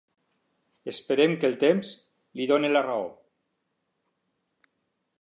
Esperem que el temps li doni la raó.